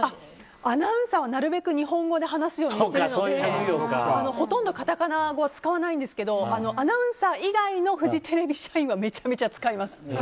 アナウンサーはなるべく日本語で話すようにしてるのでほとんど使わないんですけどアナウンサー以外のフジテレビ社員はめちゃめちゃ使います。